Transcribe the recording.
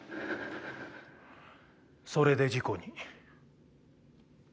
それで事故に。